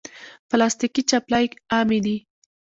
پلاستيکي چپلی عامې دي.